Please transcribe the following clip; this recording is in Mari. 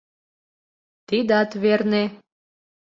— Тидат верне!